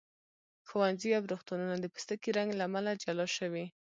ښوونځي او روغتونونه د پوستکي رنګ له امله جلا شوي.